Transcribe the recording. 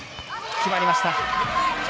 決まりました。